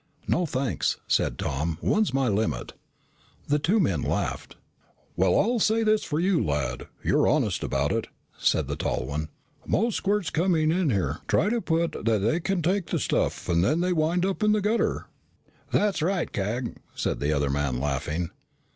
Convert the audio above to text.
"No, thanks," said Tom. "One's my limit." The two men laughed. "Well, I'll say this for you, lad, you're honest about it," said the tall one. "Most squirts coming in here try to put on they can take the stuff and then they wind up in the gutter." "That's right, Cag!" said the other man, laughing.